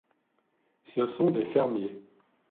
Ce sont des fermiers.